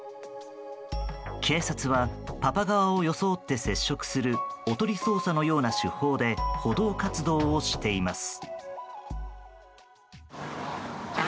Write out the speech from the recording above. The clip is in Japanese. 警察はパパ側を装って接触するおとり捜査のような手法で補導活動をしています。